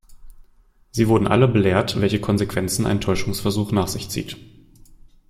Sie wurden alle belehrt, welche Konsequenzen ein Täuschungsversuch nach sich zieht.